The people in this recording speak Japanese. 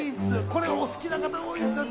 これお好きな方多いですよ。